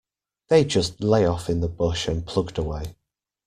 They just lay off in the bush and plugged away.